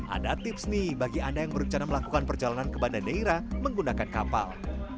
ada tips nih bagi anda yang berencana melakukan perjalanan ke banda neira menggunakan kapal